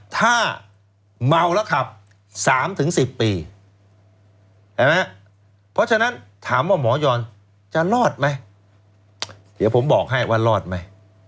ถ้าเมาลึกครับ๓๑๐ปีเพราะฉะนั้นถามว่าหมอยอ่อนจะรอดมั้ยเดี๋ยวผมบอกให้ว่ารอดมั้ย